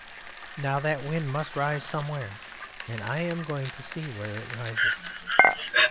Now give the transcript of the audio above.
Now that wind must rise somewhere, and I am going on to see where it rises.'